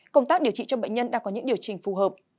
công tác điều trị cho bệnh nhân đã có những điều trình phù hợp